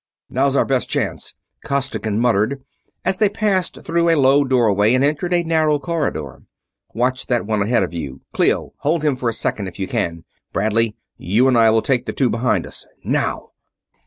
"Now's our best chance!" Costigan muttered, as they passed through a low doorway and entered a narrow corridor. "Watch that one ahead of you, Clio hold him for a second if you can. Bradley, you and I will take the two behind us now!"